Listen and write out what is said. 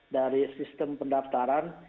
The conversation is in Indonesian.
dari sistem pendaftaran